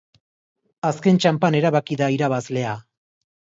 Azken txanpan erabaki da irabazlea.